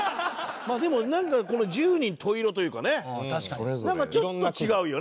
でもなんか十人十色というかねなんかちょっと違うよね